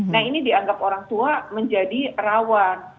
nah ini dianggap orang tua menjadi rawan